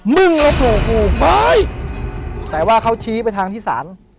มึงมาขู่กูไม่แต่ว่าเขาชี้ไปทางที่ศาล